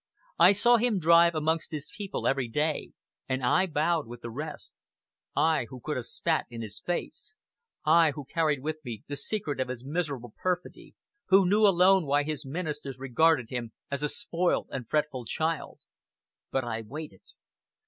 I saw him drive amongst his people every day, and I bowed with the rest, I who could have spat in his face, I who carried with me the secret of his miserable perfidy, who knew alone why his ministers regarded him as a spoilt and fretful child. But I waited.